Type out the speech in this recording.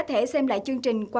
thì kinh tế của tp hcm